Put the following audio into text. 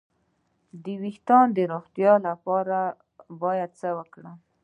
د ویښتو د روغتیا لپاره باید څه وکړم؟